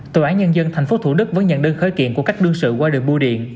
tòa án nhân dân tp thủ đức vẫn nhận đơn khởi kiện của cách đương sự qua đường bu điện